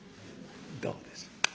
どうです？